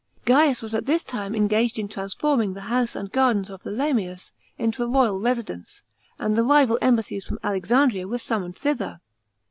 Gaius was at this time engaged in transforming the house and gardens of the Lamias into a royal residence, and the rival embassies from Alexandria were summoned thither.